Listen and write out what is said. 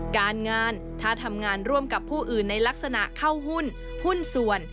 การงานถ้าทำงานร่วมกับผู้อื่นในลักษณะเข้าหุ้นหุ้นส่วน